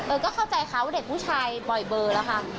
ก็เข้าใจเขาเด็กผู้ชายบ่อยเบอร์แล้วค่ะ